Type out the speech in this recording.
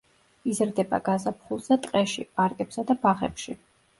იზრდება გაზაფხულზე ტყეში, პარკებსა და ბაღებში.